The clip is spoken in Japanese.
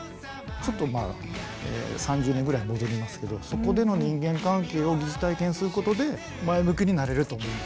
ちょっとまあ３０年ぐらい戻りますけどそこでの人間関係を疑似体験することで前向きになれると思うんですよ。